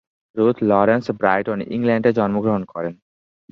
Ruth Lawrence Brighton, ইংল্যান্ডে জন্মগ্রহণ করেন।